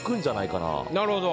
なるほど。